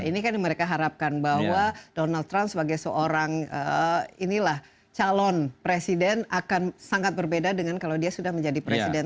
ini kan mereka harapkan bahwa donald trump sebagai seorang calon presiden akan sangat berbeda dengan kalau dia sudah menjadi presiden